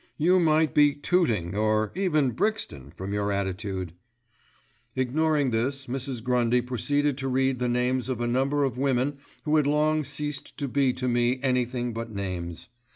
"You might be Tooting, or even Brixton from your attitude." Ignoring this, Mrs. Grundy proceeded to read the names of a number of women who had long ceased to be to me anything but names.